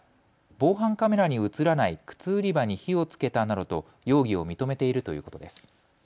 防犯カメラに写らない靴売り場に火をつけたなどと容疑を認めているということです。